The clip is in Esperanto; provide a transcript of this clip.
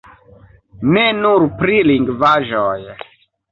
Ne nur pri lingvaĵoj.